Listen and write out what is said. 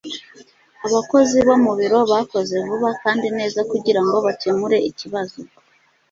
abakozi bo mu biro bakoze vuba kandi neza kugirango bakemure ikibazo